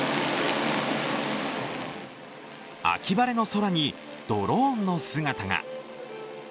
秋晴れの空にドローンの姿が。